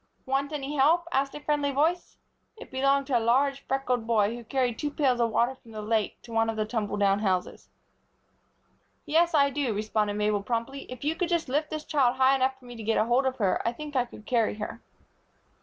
"Want any help?" asked a friendly voice. It belonged to a large, freckled boy who was carrying two pails of water from the lake to one of the tumble down houses. [Illustration: ROSA MARIE AND THE SIDEWALK WERE ONE.] "Yes, I do," responded Mabel, promptly. "If you could just lift this child high enough for me to get hold of her I think I could carry her."